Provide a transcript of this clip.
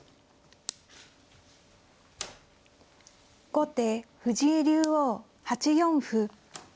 後手藤井竜王８四歩。